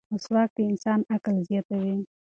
مسواک د انسان عقل زیاتوي.